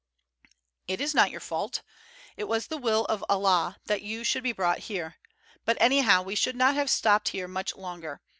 "It is not your fault. It was the will of Allah that you should be brought here. But anyhow we should not have stopped here much longer.